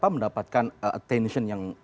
mendapatkan attention yang